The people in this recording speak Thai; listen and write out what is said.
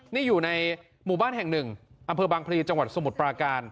นี่อยู่ในหมู่บ้านแห่งหนึ่งอำเภอบางพลีจังหวัดสมุทรปราการ